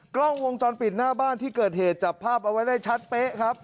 กล้องวงจรปิดหน้าบ้านที่เกิดเหตุจับภาพเอาไว้ได้ชัดเป๊ะครับ